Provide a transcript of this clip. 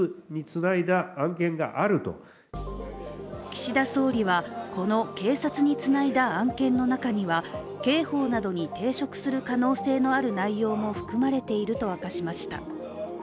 岸田総理は、この警察につないだ案件の中には刑法などに抵触する可能性のある内容も含まれていると明かしました。